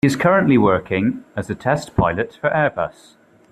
He is currently working as a test pilot for Airbus.